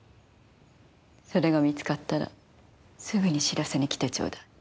それが見つかったらすぐに知らせに来てちょうだい。